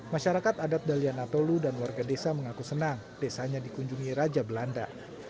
masyarakat adat daliana tolu dan warga desa mengaku senang desanya dikunjungi raja belanda